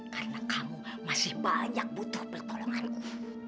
karena kamu masih banyak butuh pertolonganku